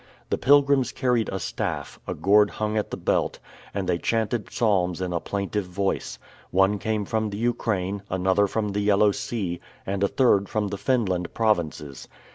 The pilgrims carried a staff, a gourd hung at the belt, and they chanted psalms in a plaintive voice: one came from the Ukraine, another from the Yellow sea, and a third from the Finland provinces.